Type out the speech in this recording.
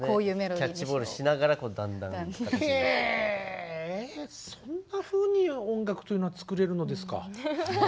キャッチボールしながらだんだん形に。へそんなふうに音楽というのは作れるのですか？